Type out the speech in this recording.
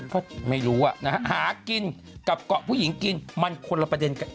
ก็ไม่รู้นะฮะหากินกับเกาะผู้หญิงกินมันคนละประเด็นกัน